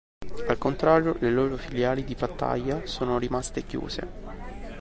Al contrario, le loro filiali di Pattaya sono rimaste chiuse.